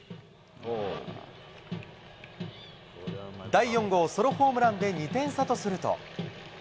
第４号ソロホームランで２点差とすると。